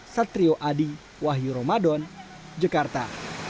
satrio adi wahyu ramadan jakarta